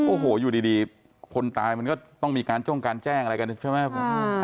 โอ้โหอยู่ดีคนตายมันก็ต้องมีการจ้องการแจ้งอะไรกันใช่ไหมคุณ